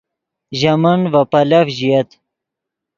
ژے من ڤے پیلف ژییت